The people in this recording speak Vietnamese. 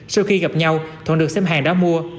sau khi gặp nhau thuận được xem hàng đó mua